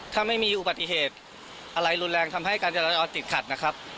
ถ้าไม่มีอุบัติเหตุอะไรรุนแรงทำให้การจราจรติดขัดนะครับ